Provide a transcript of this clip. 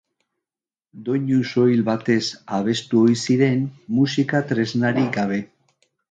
Doinu soil batez abestu ohi ziren, musika-tresnarik gabe.